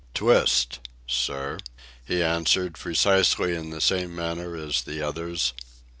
"Twist ... sir," he answered, precisely in the same manner as the others.